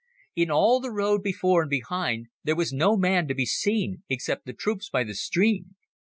In all the road before and behind there was no man to be seen except the troops by the stream.